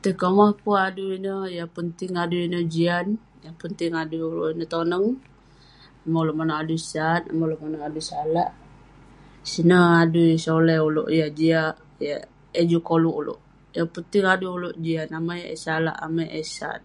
Tai komah peh adui ineh, yah penting adui ineh jian, yah penting adui ulouk ineh toneng. Amai ulouk manouk adui sat, amai ulouk manouk adui salak. Sineh adui solai ulouk yah jiak, yah eh juk koluk ulouk. Yah penting adui ulouk jian, amai eh salak, amai eh sat.